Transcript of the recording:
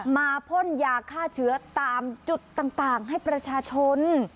พ่นยาฆ่าเชื้อตามจุดต่างให้ประชาชน